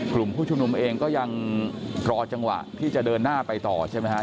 กลุ่มผู้ชุมนุมเองก็ยังรอจังหวะที่จะเดินหน้าไปต่อใช่ไหมฮะ